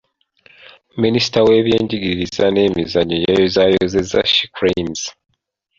Minisita w'ebyenjigiriza n'emizannyo yayozaayozezza She cranes.